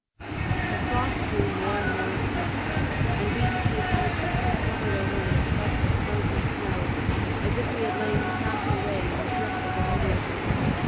The frost grew more and more intense, and we became icy and covered over with a crust of frozen snow, as if we had lain cast away in the drift all winter.